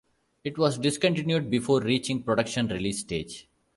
It was discontinued before reaching production release stage.